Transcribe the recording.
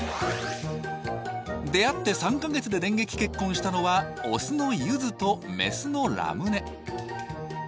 出会って３ヶ月で電撃結婚したのはオスのゆずとメスのラムネ。